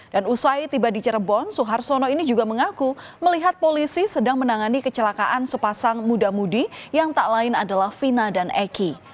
dan usai tiba di cirebon suharsono ini juga mengaku melihat polisi sedang menangani kecelakaan sepasang muda mudi yang tak lain adalah fina dan eki